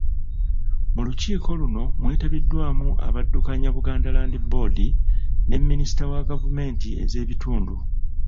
Mu lukiiko luno mwetabiddwaamu abaddukanya Buganda Land Board, ne Minisita wa Gavumenti ez'ebitundu.